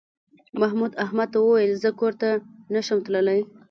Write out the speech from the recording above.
محمود احمد ته وویل زه کور ته نه شم تللی.